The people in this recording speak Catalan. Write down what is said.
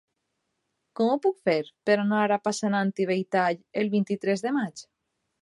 Com ho puc fer per anar a Passanant i Belltall el vint-i-tres de maig?